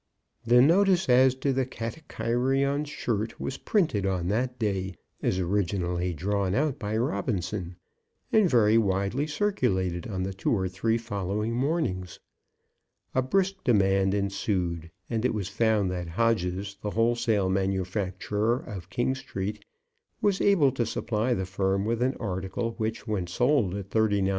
'" The notice as to the Katakairion shirt was printed on that day, as originally drawn out by Robinson, and very widely circulated on the two or three following mornings. A brisk demand ensued, and it was found that Hodges, the wholesale manufacturer, of King Street, was able to supply the firm with an article which, when sold at 39_s.